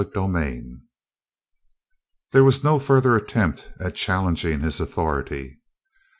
CHAPTER 37 There was no further attempt at challenging his authority.